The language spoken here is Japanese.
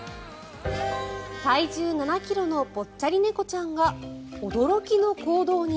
体重７ｋｇのぽっちゃり猫ちゃんが驚きの行動に。